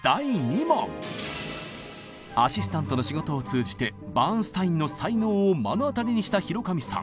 アシスタントの仕事を通じてバーンスタインの才能を目の当たりにした広上さん。